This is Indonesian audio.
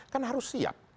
kan harus siap